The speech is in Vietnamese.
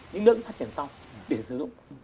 những nước phát triển sau để sử dụng